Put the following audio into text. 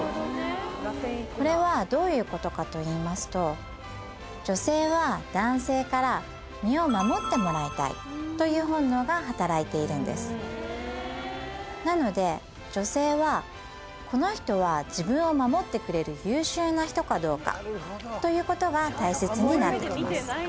これはどういうことかと言いますと女性はという本能が働いているんですなので女性はこの人は自分を守ってくれる優秀な人かどうかということが大切になってきます